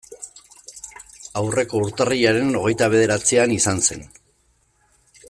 Aurreko urtarrilaren hogeita bederatzian izan zen.